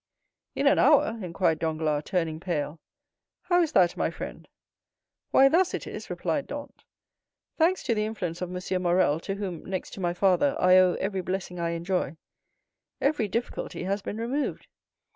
"In an hour?" inquired Danglars, turning pale. "How is that, my friend?" "Why, thus it is," replied Dantès. "Thanks to the influence of M. Morrel, to whom, next to my father, I owe every blessing I enjoy, every difficulty has been removed.